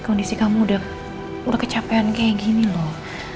kondisi kamu udah kecapean kayak gini loh